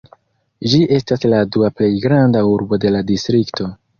Ĝi estas la dua plej granda urbo de la distrikto.